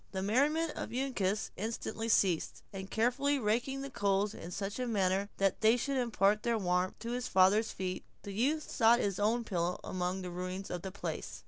The merriment of Uncas instantly ceased; and carefully raking the coals in such a manner that they should impart their warmth to his father's feet, the youth sought his own pillow among the ruins of the place.